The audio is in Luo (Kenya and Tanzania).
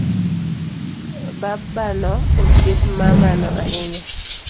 Babano osiep mamano ahinya